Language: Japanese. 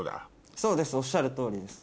そうですおっしゃる通りです。